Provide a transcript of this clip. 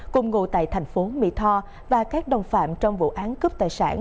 cùng ngụ tại thành phố mỹ tho và các đồng phạm trong vụ án cướp tài sản